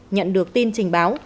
nhận được tin trình báo